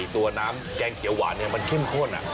ตัวน้ำแกงเขียวหวานมันเข้มข้น